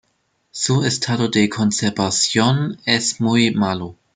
Su estado de conservación es muy malo.